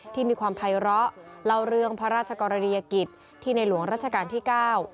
ที่มีความภัยร้อเล่าเรื่องพระราชกรณียกิจที่ในหลวงรัชกาลที่เก้า